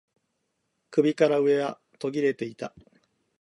首から上は途切れていた